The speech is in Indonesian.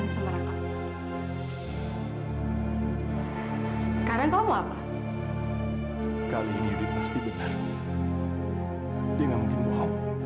sekarang kamu apa kali ini pasti benar dia nggak mungkin mau